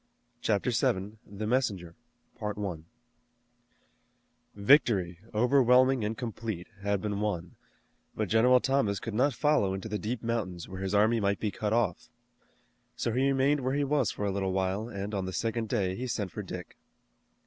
CHAPTER VII. THE MESSENGER Victory, overwhelming and complete, had been won, but General Thomas could not follow into the deep mountains where his army might be cut off. So he remained where he was for a little while and on the second day he sent for Dick.